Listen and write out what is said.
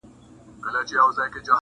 له عالمه پټ پنهان د زړه په ویر یم »!